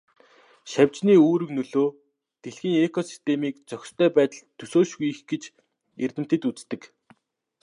Шавжны үүрэг нөлөө дэлхийн экосистемийн зохистой байдалд төсөөлшгүй их гэж эрдэмтэд үздэг.